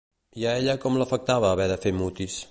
I a ella com l'afectava haver de fer mutis?